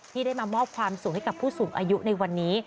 ที่ได้มามอบความสุขให้กับผู้สูงอายุในวันนี้